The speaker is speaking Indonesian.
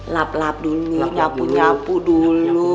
lap lap dulu nyapu nyapu dulu